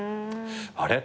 あれ？